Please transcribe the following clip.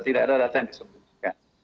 tidak ada data yang disembunyikan